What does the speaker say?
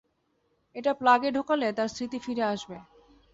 এটা প্লাগে ঢোকালে তার স্মৃতি ফিরে আসবে।